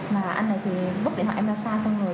mà anh này thì bút điện thoại em ra xa con người